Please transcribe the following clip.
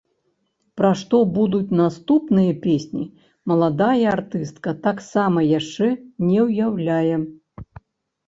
Пра што будуць наступныя песні, маладая артыстка таксама яшчэ не ўяўляе.